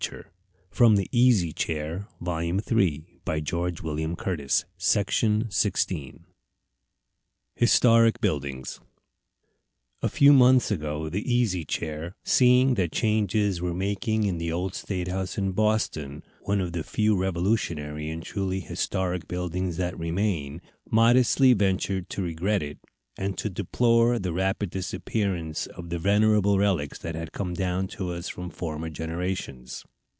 Perhaps the gentle reader may not find it when he goes there. Then let him carry it. HISTORIC BUILDINGS A few months ago the Easy Chair, seeing that changes were making in the old State house in Boston, one of the few Revolutionary and truly historic buildings that remain, modestly ventured to regret it, and to deplore the rapid disappearance of the venerable relics that had come down to us from former generations.